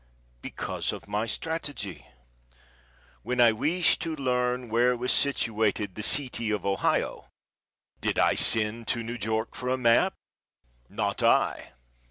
Because of my strategy! When I wished to learn where was situated the city of Ohio did I send to New York for a map? Not I.